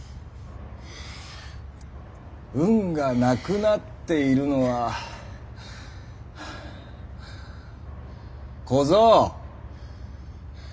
「運」がなくなっているのはハァーハァー「小僧」。